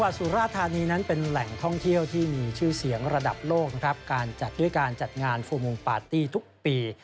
เห็นกับพระเงินจังหวัดสุราธารณีนั้นเป็นแหล่งท่องเที่ยวที่มีชื่อเสียงระดับโลกนับกาลจัดด้วยการจัดงานฟูมูมีปาร์ตี้ทุกปี